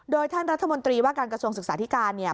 โดยท่านรัฐมนตรีว่าการกระทรวงศึกษาธิการเนี่ย